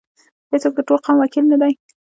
هیڅوک د ټول قوم وکیل نه دی.